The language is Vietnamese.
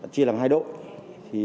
chia làm hai đội